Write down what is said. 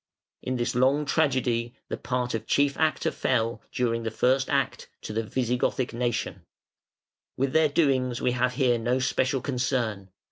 In this long tragedy the part of chief actor fell, during the first act, to the Visigothic nation. With their doings we have here no special concern.